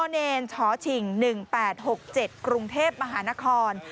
เนรชฉิง๑๘๖๗กรุงเทพมหานคร